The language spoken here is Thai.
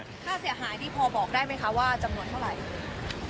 ค่าเสียหายนี่พอบอกได้ไหมคะว่าจำนวนเท่าไหร่